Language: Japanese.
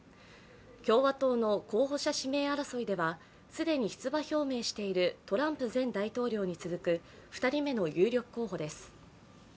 共和党の候補者指名争いでは既に出馬表明しているトランプ前大統領に続く２人目の有力候補です。